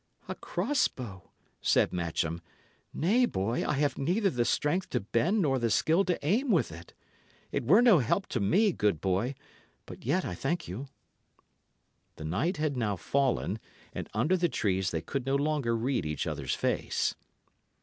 "A cross bow!" said Matcham. "Nay, boy, I have neither the strength to bend nor yet the skill to aim with it. It were no help to me, good boy. But yet I thank you." The night had now fallen, and under the trees they could no longer read each other's face.